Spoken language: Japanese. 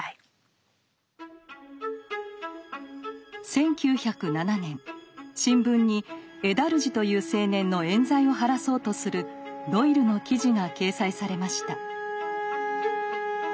１９０７年新聞にエダルジという青年の冤罪を晴らそうとするドイルの記事が掲載されました。